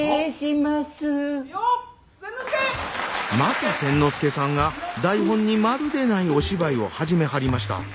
また千之助さんが台本にまるでないお芝居を始めはりました。